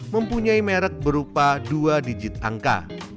mempunyai merek berupa dua digit angka